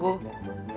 ya udah bang